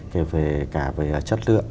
kể cả về chất lượng